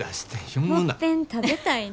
「もっぺん食べたいな」。